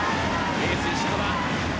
エース石川